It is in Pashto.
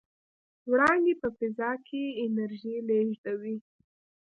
وړانګې په فضا کې انرژي لېږدوي.